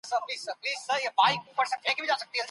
هغه په غونډي کي خبرې وکړې او چوپ سو.